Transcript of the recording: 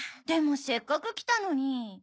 でもせっかく来たのに。